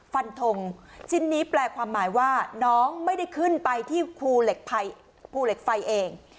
ฟันทงชิ้นนี้แปลความหมายว่าน้องไม่ได้ขึ้นไปที่ภูเหล็กภูเหล็กไฟเอง